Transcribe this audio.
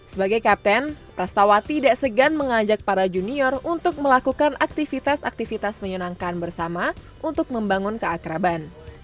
sebagai kapten pras tawa tidak segan mengajak para junior untuk melakukan aktivitas aktivitas menyenangkan bersama untuk membangun keakraban